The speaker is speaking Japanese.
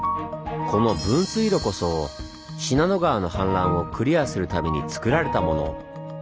この分水路こそ信濃川の氾濫をクリアするためにつくられたもの。